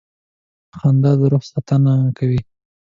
• خندا د روح ساتنه کوي.